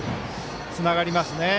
つながりますね。